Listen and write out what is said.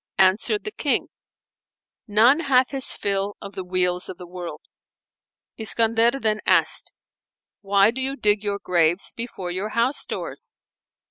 Answered the King, "None hath his fill of the weals of the world." Iskandar then asked "Why do you dig your graves before your house doors?"